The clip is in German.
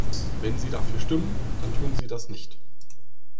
Wenn Sie dafür stimmen, dann tun Sie das nicht.